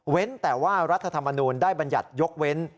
แต่ว่ารัฐธรรมนูลได้บรรยัติยกเว้น